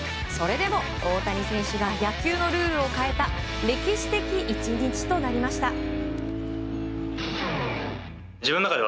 それでも、大谷選手が野球のルールを変えた歴史的１日となりました。